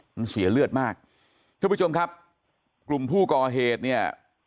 มันเสียเลือดมากท่านผู้ชมครับกลุ่มผู้ก่อเหตุเนี่ย